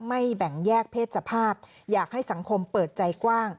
แบ่งแยกเพศสภาพอยากให้สังคมเปิดใจกว้าง